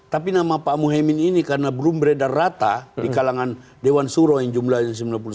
tapi nama pak muhyemin ini karena belum beredar rata di kalangan dewan suro yang jumlahnya sembilan puluh sembilan